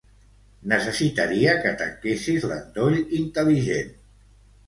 Necessitaria que tanquessis l'endoll intel·ligent.